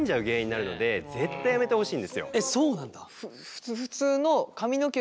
えっそうなんだ。